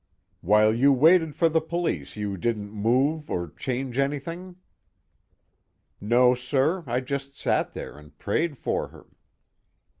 "While you waited for the police you didn't move or change anything?" "No, sir, I just sat there and prayed for her."